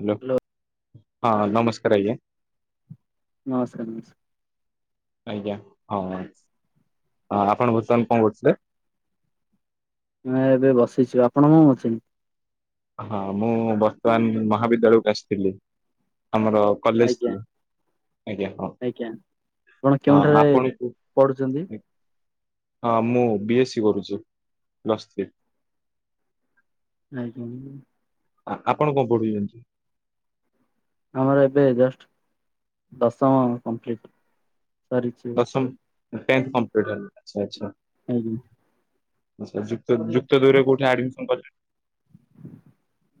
Hello ହଁ ନମସ୍କାର ଆଜ୍ଞା। ନମସ୍କାର ନମସ୍କାର। ଆଜ୍ଞା ହଁ ଆପଣ ବର୍ତ୍ତମାନ କଣ କରୁଥିଲେ? ନାଇଁ ଏବେ ବସିଚି। ଆପଣ କଣ କରୁଛନ୍ତି? ହଁ ମୁଁ ବର୍ତ୍ତମାନ ମହାବିଦ୍ୟାଳୟକୁ ଆସିଥିଲି। ଆମର ଆଜ୍ଞା କଲେଜକୁ। ଆଜ୍ଞା ହଁ ଆଜ୍ଞା। ଆପଣ ହଁ କେଉଁଠାରେ ଆପଣକୁ ପଢୁଛନ୍ତି? ହଁ ମୁଁ ବି ଏ ସି କରୁଚି ପ୍ଲସ୍ ଥ୍ରି। ଆଜ୍ଞା। ଆ-ଆପଣ କଣ ପଢ଼ୁଛନ୍ତି? ଆମର ଏବେ ଜଷ୍ଟ ଦଶମ କମ୍ପ୍ଲିଟ। ସରିଛି। ଦଶମ ଟେନ୍ ଥ କମ୍ପଲିଟ୍ ଆଚ୍ଛା ଆଚ୍ଛା। ଆଜ୍ଞା। ଆଚ୍ଛା ଯୁକ୍ତ ଯୁକ୍ତ ଦୁଇ ରେ କୋଉଠି ଆଡମିସନ କରି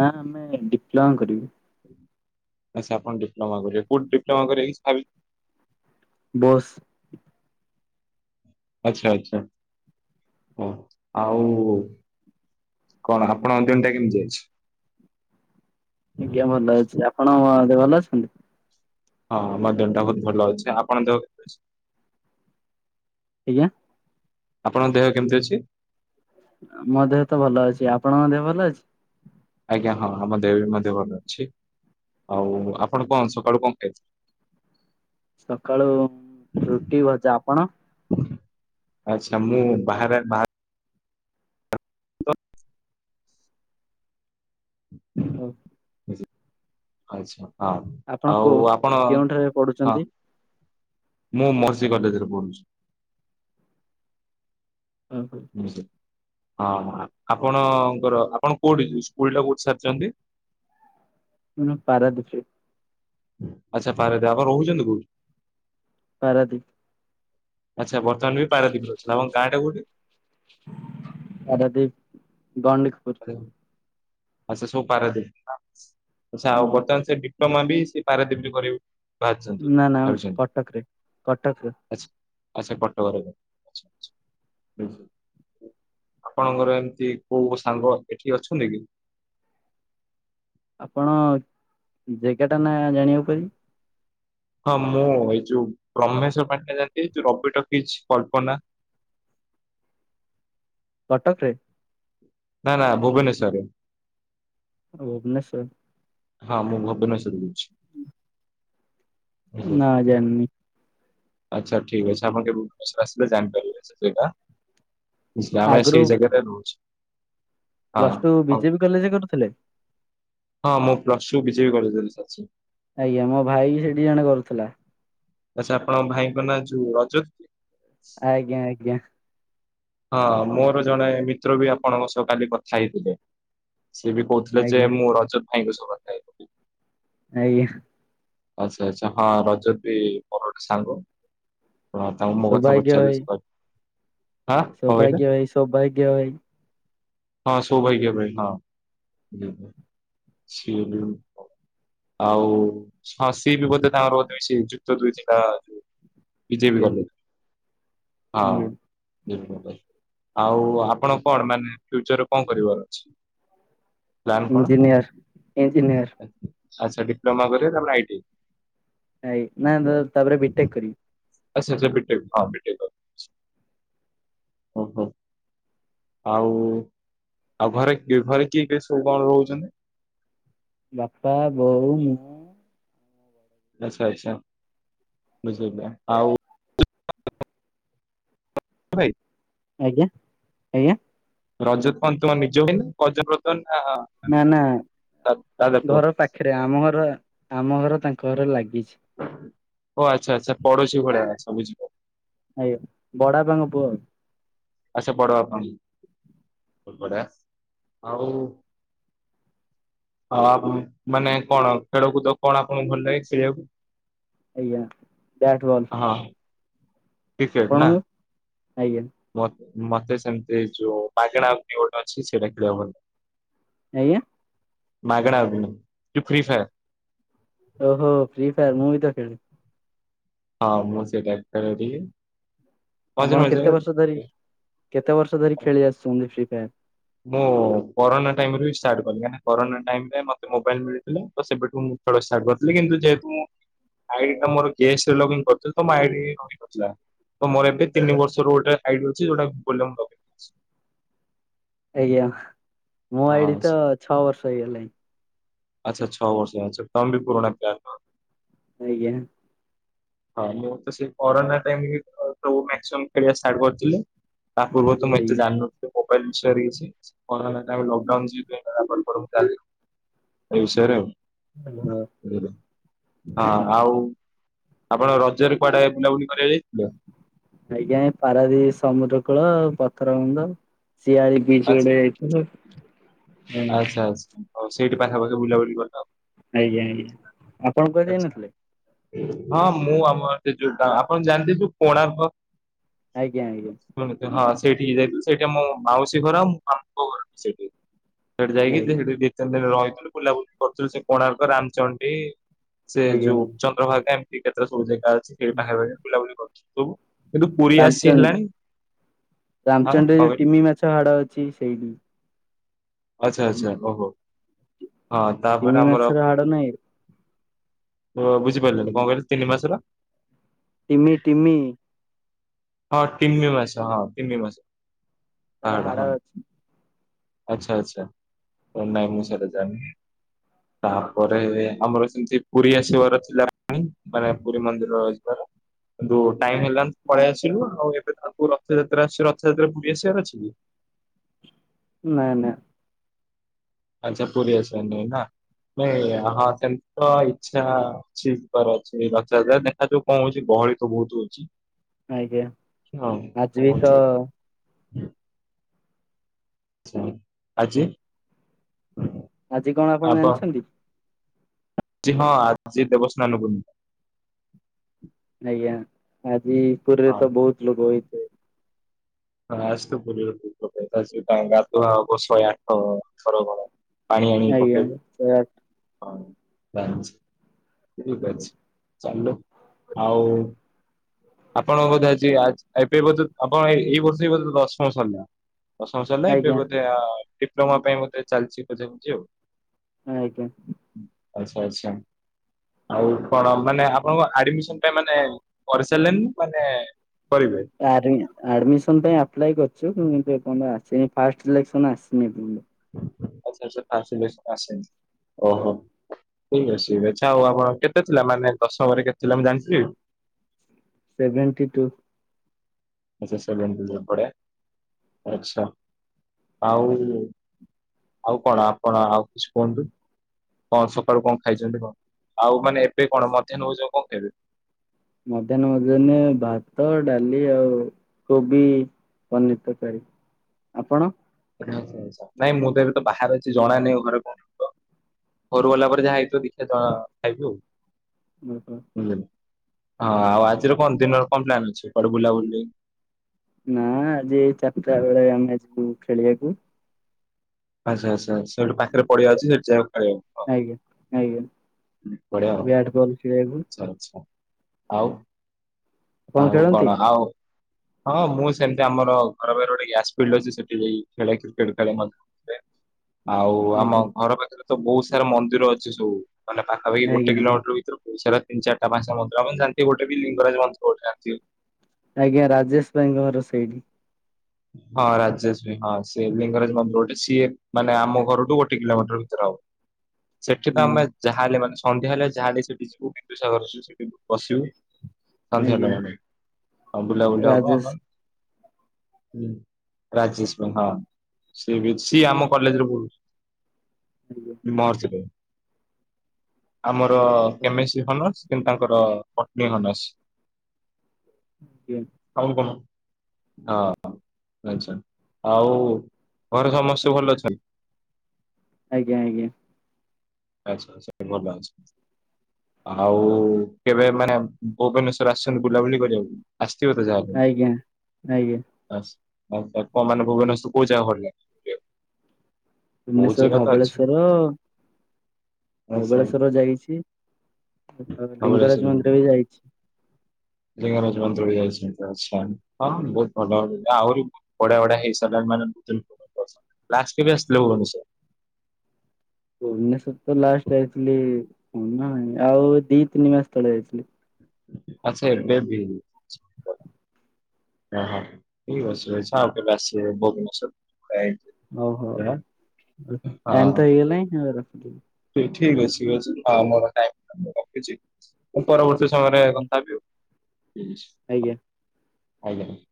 ନା ଆମେ ଡିପ୍ଲୋମା କରିବୁ। ଆଚ୍ଛା ଆପଣ ଡିପ୍ଲୋମା କରିବେ କୋଉଠୀ ଡିପ୍ଲୋମା କରିବା କିଛି ଭାବି ବୋସ୍ ଆଚ୍ଛା ଆଚ୍ଛା ବୋସ୍ ଆଉ କଣ ଆପଣ ଦିନଟା କେମିତି ଅଛି? ଆଜ୍ଞା ଭଲ ଅଛି। ଆପଣ ଦେହ ଭଲ ଅଛନ୍ତି? ହଁ ମୋ ଦିନ ଟା ବହୁତ ଭଲ ଅଛି। ଆପଣ ତ ଆଜ୍ଞା? ଆପଣଙ୍କ ଦେହ କେମିତି ଅଛି? ମୋ ଦେହ ତ ଭଲ ଅଛି। ଆପଣଙ୍କ ଦେହ ଭଲ ଅଛି? ଆଜ୍ଞା ହଁ ମୋ ଦେହ ବି ଦେହ ଭଲ ଅଛି। ଆଉ ଆପଣ କଣ ସକାଳୁ କଣ ଖାଇଥିଲେ? ସକାଳୁ ରୁଟି, ଭଜା। ଆପଣ? ଆଚ୍ଛା ମୁଁ ବାହାରେ ବା କ ଅ ଆଚ୍ଛା ହଁ ଆପଣ ଆଉ କୋଉ ଆପଣ କେଉଁଠାରେ ହଁ। ପଢୁଛନ୍ତି? ମୁଁ ମର୍ଷୀ କଲେଜରେ ପଡୁଚି। ଓହୋ। ହଁ ଆପଣଙ୍କର ଆପଣ କୋଉଠି ଯ ସ୍କୁଲ ଟା କୋଉଠି ସାରିଚନ୍ତି? ଉଁ ନା ପାରାଦ୍ଵୀପ ରେ। ଆଚ୍ଛା ପାରଦ୍ଵୀପ ଆପଣ ରହୁଚନ୍ତି କୋଉଠି? ପାରାଦ୍ଵୀପ। ଆଚ୍ଛା ବର୍ତ୍ତମାନ ବି ପାରାଦ୍ଵୀପ ଅଛନ୍ତି। ଆପଣ ଗାଁ ଟା କୋଉଠି? ପାରାଦ୍ଵୀପ ଗଣ୍ଡିକିପୁର। ଦେଓ ଆଚ୍ଛା ସବୁ ପାରାଦ୍ଵୀପ ଆଚ୍ଛା ଆଉ ଆଜ୍ଞା। ବର୍ତ୍ତମାନ ସେ ଡିପ୍ଲୋମା ବି ସେ ପାରାଦ୍ଵୀପ ରେ ବୁ କରିବୁ ନା ନା ଉଁ କଟକରେ କଟକରେ। ଆଚ୍ଛା ଆଚ୍ଛା କଟକରେ [unintelligible] ଆପଣଙ୍କର ଏମିତି କୋଉ ସାଙ୍ଗ ଏଠି ଅଛନ୍ତି କି? ଆପଣ ଜାଗା ଟା ନା ଜାଣିବାକୁ ପଡ଼ିବ। ହଁ ମୁଁ ଏଇ ଯୋଉ ବ୍ରହ୍ମେଶ୍ୱର ପାଣ୍ଡା ଯାଆନ୍ତି ଏଇ ଯଉ ରବି ଟକି କଳ୍ପନା କଟକ ରେ ନା ନା ଭୁବନେଶ୍ୱରରେ ଭୁବନେଶ୍ୱର ହଁ ମୁଁ ଭବନ ସେ [unintelligible] ନା ଜାଣିନି। ଆଚ୍ଛା ଠିକ୍ ଅଛି ଆପଣ କେବେ ଭୁବନେଶ୍ୱର ଆସିଲେ ଜାଣିପାରିବେ ସେଇଟା। ବ ଆମେ ଆଗରୁ ସେଇ ଜାଗା ରେ ରହୁଛୁ। ହଁ ପ୍ଲସ ଟୁ ହଉ ବିଜେପି କଲେଜରେ କରୁଥିଲେ? ହଁ ମୁଁ ପ୍ଲସ ଟୁ ବିଜେପି କଲେଜ୍ ରେ କରିଛି। ଆଜ୍ଞା ମୋ ଭାଇ ବି ସେଠି ଜଣେ କରୁଥିଲା। ଆଛା ଆପଣଙ୍କ ଭାଇଙ୍କ ନାଁ ଯୋଉ ରଜତ? ଆଜ୍ଞା। ଆଜ୍ଞା। ହଁ ମୋର ଜଣେ ମିତ୍ର ବି ଆପଣଙ୍କ ସହ କାଲି କଥା ହେଇଥିଲେ ସେ ବି କହୁଥିଲେ ଯେ ଆଜ୍ଞା ମୁଁ ରଜତ ଭାଇଙ୍କ ସହ କଥା ହେଇଥିଲି। ଆଜ୍ଞା। ଆଚ୍ଛା ଆଚ୍ଛା। ହଁ ରଜତ ବି ମୋର ଗୋଟେ ସାଙ୍ଗ, ତାଙ୍କୁ ମୋ କଥା ସୌଭାଗ୍ୟ ପଚାରିଲେ ଭାଇ ସେ କହିବେ। ଆଁ କଣ ସୌଭାଗ୍ୟ କହିଲେ? ଭାଇ ସୌଭାଗ୍ୟ ଭାଇ ହଁ ସୌଭାଗ୍ୟ ଭାଇ ହଁ। [unintelligible] ଆଉ? ହଁ ସିଏ ବି ବୋଧେ ତାଙ୍କ ରହୁଥିଲେ, ଯୁକ୍ତ ଦୁଇଥିଲା। ବିଜେପି ଆଜ୍ଞା ଆଜ୍ଞା କଲେଜ୍ ହଁ। ଆଉ ଆପଣ କଣ ମାନେ ଫ୍ୟୁଚରରେ କଣ କରିବାର ଅଛି? ପ୍ଳାନ କଣ? ଇଞ୍ଜିନିୟର। ଇଞ୍ଜିନିୟର ଆଚ୍ଛା, ଡିପ୍ଲୋମା କରିବେ ତାପରେ ଆଇ ଟି। ନାଇଁ ନା ତାପରେ ବିଟେକ୍ କରିବି। ଆଛା ସେ ବିଟେକ୍ ହଁ। ହଁ ବିଟେକ୍। ଓହୋ। ଆଉ ଆଉ ଘରେ କି ଘରେ କିଏ କିଏ ସବୁ କଣ ରହୁଛନ୍ତି? ବାପା, ବୋଉ ମୁଁ ଆଚ୍ଛା, ଆଚ୍ଛା, ବୁଝିଲି ଆଉ ଭାଇ ଆଜ୍ଞା? ଆଜ୍ଞା? ରଜତ କଣ ତମ ନିଜ ଭାଇ [unintelligible] ନା ନା ମାନେ ନା ଦାଦା ପୁଅ? ଘର ପାଖରେ, ଆମ ଘର ଆମ ଘର ତାଙ୍କ ଘର ଲାଗିଛି। ଓ ଆଚ୍ଛା ଆଚ୍ଛା, ପଡ଼ୋଶୀ ଭଳିଆ ଆଚ୍ଛା ବୁଝିଲି। ଆଜ୍ଞା, ବଡ଼ବାପାଙ୍କ ପୁଅ। ଆଚ୍ଛା ବଡବାପାଙ୍କୁ ଆଉ ଆଉ ମାନେ କଣ ଖେଳକୁଦ କଣ ଆପଣଙ୍କୁ ଭଲ ଲାଗେ ଖେଳିବାକୁ? ଆଜ୍ଞା, ବ୍ୟାଟ୍ ବଲ। ହଁ। କ୍ରିକେଟ ନା ଆପଣଙ୍କୁ ଆଜ୍ଞା? ମତେ ସେମିତି ଯୋଉ ମାଗଣା [unintelligible] ଅଛି ସେଇଟା ଖେଳିବାକୁ ଭଲଲାଗେ। ଆଜ୍ଞା? ମାଗଣା ଅଭ୍ୟୁ ଯୋଉ ଫ୍ରି ଫାୟାର। ଓହୋ ଫ୍ରି ଫାୟର ମୁଁ ବି ତ ଖେଳେ। ହଁ ମୁଁ ସେ ବ୍ୟାଟ୍ ଟା ରଖିଲି। ଆପଣ କେତେ ବର୍ଷ ଧରି କେତେ ବର୍ଷ ଧରି ଖେଳି ଆସୁଛନ୍ତି ଫ୍ରି ଫାୟାର? ମୁଁ କରୋନା ଟାଇମ ରେ ଷ୍ଟାଟ୍ କଲି। କାହିଁକିନା କରୋନା ଟାଇ ରେ ମତେ ମୋବାଇଲ ମିଳିଥିଲା ତ ସେବେଠୁ ମୁଁ ଖେଳ ଷ୍ଟାଟ୍ କରିଥିଲି। କିନ୍ତୁ ଯେହେତୁ ମୁଁ ଆଇଡ୍ ଟା ମୋର ଗେସ୍ ରେ ଲଗିନ କରିଥିଲି। ମୋର ଆଇଡ୍ ଦେଇନଥିଲା। ତ ମୋର ଏବେ ତିନିର୍ଷର ଗୋଟେ ଆଇଡି ଅଛି। ଯୋଉଟା [unintelligible] ହବ। ଆଜ୍ଞା। ମୋ ଆଇଡି ହଁ ତ ଛଅ ବର୍ଷ ହେଇଗଲାଣି। ଆଚ୍ଛା ଛ ବର୍ଷ ଆଚ୍ଛା। ତମେ ବି ପୁରୁଣା ପିଲା ନୁହଁ? ଆଜ୍ଞା। ହଁ ମୁଁ ତ ସେ କରୋନା ଟାଇମରୁ ସବୁ ମ୍ୟାକ୍ସିମମ୍ ଖେଳିବା ଷ୍ଟାର୍ଟ କରିଥିଲି। ତା ପୂର୍ବରୁ ତ ମୁଁ ଏତେ ଜାଣିନଥିଲି? ତ ମୋବାଇଲ୍ ସରିଯାଇଚି। କରୋନା ତାପରେ ଲକ୍ ଡାଉନ୍ [unintelligible] ଏ ହିସାବରେ ଆଉ। ଆଜ୍ଞା [unintelligible] ହଁ ଆଉ ଆପଣ ରଜରେ କୁଆଡେ ବୁଲାବୁଲି କରିବାକୁ ଯାଇଥିଲେ? ଆଜ୍ଞା, ଏ ପାରାଦ୍ବୀପ ସମୁଦ୍ର କୂଳ, ପଥର ବନ୍ଧ, ସିଆଳି। [unintelligible] ଆଚ୍ଛା ସିଆଡେ ଯାଇଥିଲି। ଆଚ୍ଛା, ଆଚ୍ଛା, ସେଇଠି ପାଖାପାଖି ବୁଲାବୁଲି କରିଥବ? ଆଜ୍ଞା ଆଜ୍ଞା, ଆପଣ କୁଆଡେ ଯାଇ ଆଚ୍ଛା। ନଥିଲେ? ହଁ ମୁଁ ଆମର ସେ ଯୋଉଟା ଆପଣ ଜାଣିଥିବେ ସେ କୋଣାର୍କ। ଆଜ୍ଞା ଆଜ୍ଞା। [unintelligible] ହଁ ସେଇଠି କି ଯାଇଥିଲୁ। ସେଇଠି ମୋ ମାଉସୀ ଘର ଆଉ ମାମୁଙ୍କ ଘର ବି ସେଇଠି। ସେଇଠି ଯାଇକି ଆଜ୍ଞା [unintelligible] ଦି ତିନି ଦିନ ରହିଥିଲୁ ବୁଲାବୁଲି କରୁଥିଲୁ ସେ କୋଣାର୍କ, ରାମଚଣ୍ଡୀ। ସେ ଆଜ୍ଞା ଯୋଉ ଚନ୍ଦ୍ରଭାଗା ଏମତି କେତେ ସବୁ ଜେଗା ଅଛି ସେଇଠି ପାଖାପାଖି ବୁଲାବୁଲି କରୁଥିଲୁ ସବୁ। କିନ୍ତୁ ପୁରୀ ଆସି ରାମଚଣ୍ଡ ହେଲାଣି ହଁ କଣ ରାମଚଣ୍ଡୀ ରେ ଯୋଉ କହିଲେ ଟିମି ମାଛ ହାଡ ଅଛି ସେଇଠି। ଆଚ୍ଛା ଆଚ୍ଛା ଓହୋ। ହଁ ତାପରେ ତିମି ଆମର ମାଛର ହାଡ଼ ନାଇଁ କି? ଓ ବୁଝିପାରଲିନି କଣ କହିଲେ? ତିନି ମାସର ଟିମି ଟିମି। ହଁ ତିମି ମାଛ ହଁ ତିମି ମାଛ। ତାର ହାଡ଼ ଅଛି। ଆଚ୍ଛା ଆଚ୍ଛା ତ ନାଇ ମୁଁ ସେଟା ଜାଣିନି। ତାପରେ ଆମର ସେମିତି ପୁରୀ ଆସିବାର ଥିଲା ପ୍ଲାନିଂ। ମାନେ ପୁରୀ ମନ୍ଦିର ଯିବାର କିନ୍ତୁ ଟାଇମ୍ ହେଲାନି। ପଳେଇ ଆସିଲୁ। ଆଉ ଏବେ ତାଙ୍କୁ ରଥଯାତ୍ରା ଆସି ରଥଯାତ୍ରା ପୁରୀ ଆସିବାର ଅଛି କି? ନାଇଁ ନାଇଁ। ଆଚ୍ଛା ପୁରୀ ଆସିବାର ନାଇ ନା ହଁ ସେମିତି ତ ଇଚ୍ଛା ଛିବାର ଅଛି ବା [unintelligible] ଦେଖାଯାଉ କଣ ହଉଚି ଗହଳି ତ ବହୁତ୍ ହଉଚି। ଆଜ୍ଞା କଣ ଆଜି ବି ହଉଛି ତ? ଆଉ ଛି ଆଜି। ଆଜି କଣ ଆପଣ ଜାଣିଛନ୍ତି? ଜି ହଁ ଆଜି ଦେବସ୍ନାନ ପୂର୍ଣ୍ଣିମା। ଆଜ୍ଞା ଆଜି ପୁରୀରେ ହଁ। ତ ବହୁତ ଲୋକ ହୋଇଥିବେ। ହଁ ଆଜ ତ ପୁରୀ ରେ ବହୁତ୍ ଲୋକ ଆସିବେ ପାଣି ଗାଧୁଆ ହବ ଶହେ ଆଠଥର ଗରା। ପାଣି ଆଣିକି ଆଜ୍ଞା ପକେଇବେ ହଁ ଜାଣିଛି। ଠିକୂ ଅଛି ଚାଲୁ ଆଉ। ଆପଣଙ୍କ ବୋଧେ ଆଜି ଏବେ ବୋଧେ ଆପଣ ଏ ଏଇ ବର୍ଷ ବୋଧେ ଦଶମ ସରିଲା। ଦଶମ ସରଲା ଏବେ ଆଜ୍ଞା। ବୋଧେ ଆ ଡିପ୍ଲୋମା ପାଇଁ ବୋଧେ ଚାଲଚି ଖୋଜା ଖୋଜି ଆଉ। ଆଜ୍ଞା। ଆଚ୍ଛା ଆଚ୍ଛା ଆଉ କଣ ମାନେ ଆପଣଙ୍କ ଆଡମିସନ ପାଇଁ ମାନେ [unintelligible] ମାନେ କରିବେ। ଆରେ ଆଡମିସନ ପାଇଁ ଆପ୍ଲାଏ କରିଚୁ କିନ୍ତୁ ଏପର୍ଯ୍ୟନ୍ତ ଆସିନି ଫାଷ୍ଟ୍ ସିଲେକ୍ସନ ଆସିନି ଏ ପର୍ଯ୍ୟନ୍ତ। ଆଚ୍ଛା ଆଚ୍ଛା ଫାଷ୍ଟ ସିଲେକ୍ସନ ଆସିନି। ଓହୋ ଠିକ୍ ଅଛି। ଆଚ୍ଛା ଆଉ ଆପଣ କେତେ ଥିଲା ମାନେ ଦଶମରେ କେତେ ଥିଲା ମୁଁ ଜାଣଥିଲି। Seventy two. ଆଚ୍ଛା ସେଭେଣ୍ଟି ଟୁ ବଡ଼ିଆ ଆଚ୍ଛା ଆଉ ଆଉ କଣ ଆପଣ ଆଉ କିଛି କୁହନ୍ତୁ। କଣ ସକାଳୁ କଣ ଖାଇଛନ୍ତି କଣ ଆଉ ମାନେ ଏବେ କଣ ମଧ୍ୟାହ୍ନ ଭୋଜ କଣ ଖାଇବେ। ମଧ୍ୟାହ୍ନ ଭୋଜନେ ଭାତ ଡାଲି ଆଉ କୋବି। ପନିର ତରକାରି ଆପଣ। ଆଛା ଆଛା ନାଇଁ ମୁଁ ତ ଏବେ ତ ବାହାରେ ଅଛି ଜଣା ନାଇ ଘରେ କଣ ହେଇଥିବ। ଘରୁ ଗଲା ପରେ ଯାହା ହେଇଥିବ ଦେଖିବା ଜଣା ଖାଇବୁ ଆଉ। ଉଁ ହୁଁ। ହଁ ଆଉ ଆଜିର କଣ ଦିନରେ କଣ ପ୍ଲାନ୍ ଅଛି କୁଆଡେ ବୁଲା ବୁଲି। ନା ଆଜି ଏ ଚାରିଟା ବେଳେ ଆମେ ଯିବୁ ଖେଳିବାକୁ। ଆଚ୍ଛା ଆଚ୍ଛା ସେଠୁ ପାଖରେ ପଡିଆ ଅଛି ସେଠ ଯାଅ ଖେଳିଆକୁ। ଆଜ୍ଞା ଆଜ୍ଞା ବ୍ୟାଟ ବଲ ଖେଳିବାକୁ। ଆଛା ଆଚ୍ଛା ଆଉ ଆପଣ ଆଉ ଖେଳନ୍ତି? କଣ ଆଉ ହଁ ମୁଁ ସେମିତି ଆମର ଘର ବାରେ ଗୋଟେ ଗ୍ୟାସ ଫିଲ୍ଡ ଅଛି ସେଠି ଯାଇ ଖେଳେ କ୍ରିକେଟ ଖେଳେ ମ [inaudible] ଆଉ ଆଜ୍ଞା ଆମ ଘର ପାଖରେ ତ ବହୁତ ସାରା ମନ୍ଦିର ଅଛି ସବୁ ମାନେ ପାଖାପାଖି ଗୋଟେ ଆଜ୍ଞା କିଲୋମିଟର ଭିତ ଓଡିଶାରେ ତିନ ଚାରିଟା ପାଞ୍ଚଟା ମନ୍ଦିର ହବ ଜେମତି ଗୋଟେ ବି ଲିଙ୍ଗରାଜ ମନ୍ଦିର ଗୋଟେ ଅଛି। ଆଜ୍ଞା ରାଜେଶ ଭାଇଙ୍କ ଘର ସେଇଠି। ହଁ ରାଜେଶ ଭି ହଁ ସେ ଲିଙ୍ଗରାଜ ମନ୍ଦିର ଗୋଟେ ସିଏ ମାନେ ଆମ ଘରଠୁ ଗୋଟେ କିଲୋମିଟର ଭିତରେ ହବ ସେଠିପା ହୁଁ ଆମେ ଯାହାହେଲେ ମାନେ ସନ୍ଧ୍ୟା ହେଲେ ଯାହା ହେଲେ ସେଠି ଯିବୁ ବିନ୍ଦୁସାଗର ଯ ସେଠି ବସିବୁ। ସନ୍ଧ୍ୟା ଆଜ୍ଞା ଟାଇମ ହେଲେ ଆଉ ବୁଲାବୁଲି ହବ ରାଜେଶ ଆମ ହଁ ରାଜେଶ ଭ ହଁ ସିଏ ବି ସିଏ ଆମ କଲେଜରେ ପଢୁଛି। ଆଜ୍ଞା ମହର୍ଷି ରେ ଆମର ଆଜ୍ଞା କେମିଷ୍ଟ ଅନର୍ସ। କିନ୍ତୁ ତାଙ୍କର ପଟନି ଅନର୍ସ। କି ଆଉ କଣ। ଆଛା ଆଉ ଘରେ ସମସ୍ତେ ଭଲ ଅଛନ୍ତି। ଆଜ୍ଞା ଆଜ୍ଞା। ଆଚ୍ଛା ଆଛ ସ ଭଲ ଅଛି। ଆଉ କେବେ ମାନେ ଭୁବନେଶ୍ୱର ଆସିଛନ୍ତି ବୁଲାବୁଲି କରିବାକୁ। ଆସଥିବେ ତ ଯାହା ହେଲେ। ଆଜ୍ଞା ଆଜ୍ଞା। [inaudible] ବହୁତ ଭୁବନେଶ୍ୱର ଜାଗା ତ ଅଛି। ଧବଳେଶ୍ଵର। ଆଚ୍ଛା ଧବେଳେଶ୍ଵର ଯାଇଛି ଧବଳେଶ୍ୱର ଲିଙ୍ଗରାଜ ମନ୍ଦିର ବି ଯାଇଛି। [inaudible] ଲିଙ୍ଗରାଜ ମନ୍ଦିର ବି ଯାଇଛନ୍ତି ଆଛା ହଁ ବହୁତ ଭଲ ଆହୁରି ବଢ଼ିଆ ବଢିଆ ହେଇସାରିଲାଣି ମନେ ଲାଷ୍ଟ କେବେ ଆସିଥିଲ ଭୁବନେଶ୍ୱ ଉନେଶ ତ ଲାଷ୍ଟ ଯାଇଥିଲି [unintelligible] ଆଉ ଦି ତିନି ମାସ ତଳେ ଯାଇଥିଲି ଆଛା ଏବେ ବି ହ ହଁ ଠିକ ଅଛି ଆସ ଆଉ କେବେ ଆସିଲେ ଭୁବନେଶ୍ୱର ହଉ ହଉ ହଁ। ଟାଇମ ତ ହେଇଗଲାଣି ହଉ ରଖୁଛି। ଠିକ ଅଛି ଠିକ୍ ଅଛି ହଁ ମୋର ରଖୁଛି। ପରବର୍ତ୍ତୀ ସମୟରେ କଥା ହେବି ଆଉ। ଆଜ୍ଞା। ଆଜ୍ଞା।